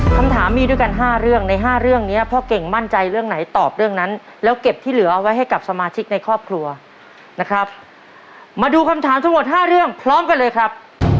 คำถามมีด้วยกัน๕เรื่องใน๕เรื่องนี้พ่อเก่งมั่นใจเรื่องไหนตอบเรื่องนั้นแล้วเก็บที่เหลือเอาไว้ให้กับสมาชิกในครอบครัวนะครับมาดูคำถามทั้งหมด๕เรื่องพร้อมกันเลยครับ